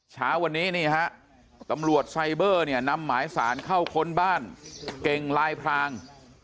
เช้าวันนี้นี่ฮะตำรวจไซเบอร์เนี่ยนำหมายสารเข้าค้นบ้านเก่งลายพราง